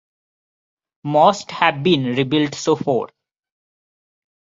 Most have been rebuilt so for.